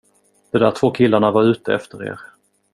De där två killarna var ute efter er.